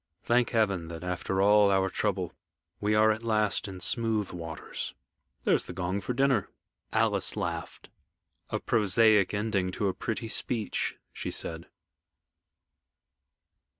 Thank Heaven that, after all our trouble, we are at last in smooth waters. There's the gong for dinner." Alice laughed. "A prosaic ending to a pretty speech," she said.